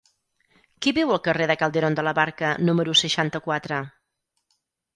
Qui viu al carrer de Calderón de la Barca número seixanta-quatre?